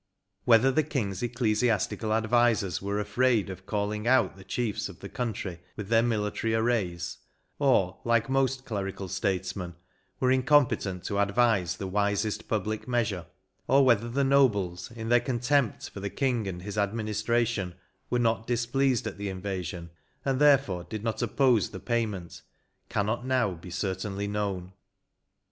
... Whe ther the King s ecclesiastical advisers were afraid of calling out the chiefs of the country, with their military arrays; or, like most clerical statesmen, were incompetent to advise the wisest public mea sure ; or whether the nohles, in their contemjpt for the King and his administration, were not displeased at the invasion, and therefore did not oppose the payment, cannot now be certainly known."